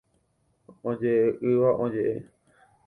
Ojeʼeʼỹva ojeʼe.